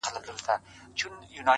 هسي نه چي لیري ولاړ سو په مزلونو؛